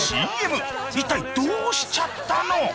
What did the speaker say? ［いったいどうしちゃったの？］